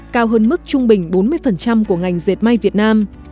cao hơn mức trung bình bốn mươi của ngành dệt may việt nam